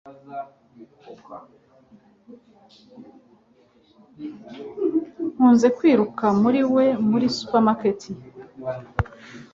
Nkunze kwiruka muri we muri supermarket